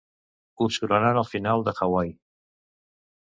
Us sonaran al final de Hawaii.